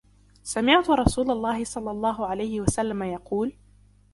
سَمِعْتُ رسُولَ اللهِ صَلَّى اللهُ عَلَيْهِ وَسَلَّمَ يَقُولُ: